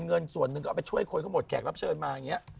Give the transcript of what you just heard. เงินส่วนหนึ่งก็เอาไปช่วยคนเขาหมดแขกรับเชิญมาอย่างนี้